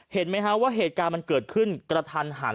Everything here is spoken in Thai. เห็นไหมฮะว่าเหตุการณ์มันเกิดขึ้นกระทันหัน